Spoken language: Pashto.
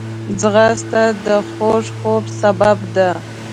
ځغاسته د خوږ خوب سبب ده